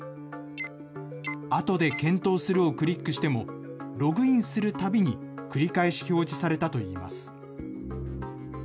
あとで検討するをクリックしても、ログインするたびに繰り返し表示されたといいます。